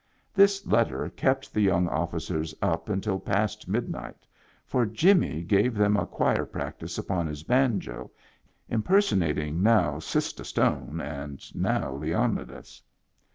This letter kept the young officers up until past midnight, for Jimmy gave them a choir practice upon his banjo, impersonating now Sistah Stone and now Leonidas.